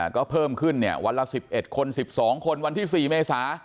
ก็เพิ่มขึ้นวันละ๑๑คน๑๒คนวันที่๔เมษา